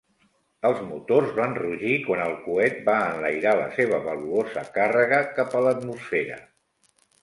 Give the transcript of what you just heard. Els motors van rugir quan el coet va enlairar la seva valuosa càrrega cap a l'atmosfera.